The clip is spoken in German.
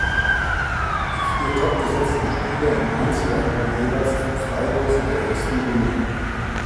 Die vier topgesetzten Spieler im Einzel erhalten jeweils ein Freilos in der ersten Runde.